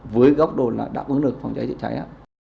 với góc đồn là đã có được phòng cháy chữa cháy